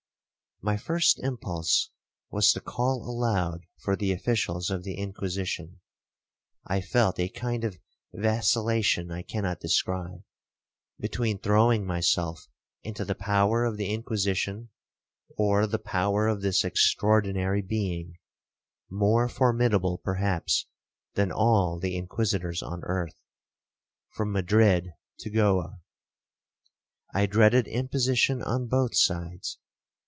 My first impulse was to call aloud for the officials of the Inquisition. I felt a kind of vacillation I cannot describe, between throwing myself into the power of the Inquisition, or the power of this extraordinary being, more formidable perhaps than all the Inquisitors on earth, from Madrid to Goa. I dreaded imposition on both sides.